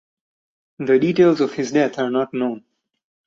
The details of his death are not known.